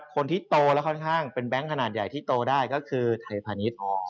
คนที่โตแล้วค่อนข้างเป็นแบงค์ขนาดใหญ่ที่โตได้ก็คือไทยพาณิชย์